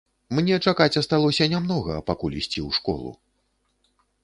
Мне чакаць асталося не многа, пакуль ісці ў школу.